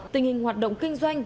tình hình hoạt động kinh doanh